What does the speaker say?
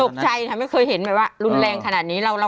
ตกใจค่ะไม่เคยเห็นแบบว่ารุนแรงขนาดนี้